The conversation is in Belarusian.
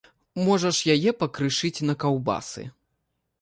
Можаш яе пакрышыць на каўбасы.